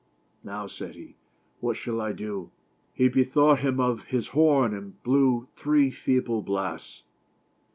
" Now" said he, "what shall I do?" lie bethought him of his horn, and blew three feeble blasts.